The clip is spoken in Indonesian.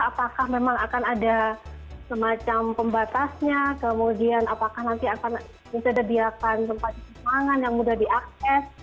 apakah memang akan ada semacam pembatasnya kemudian apakah nanti akan bisa dibiarkan tempat dikembangkan yang mudah diakses